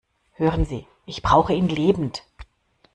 Hören Sie, ich brauche ihn lebend!